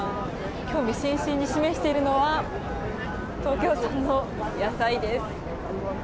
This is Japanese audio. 興味津々に示しているのは東京産の野菜です。